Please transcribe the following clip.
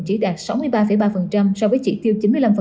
chỉ đạt sáu mươi ba ba so với chỉ tiêu chín mươi năm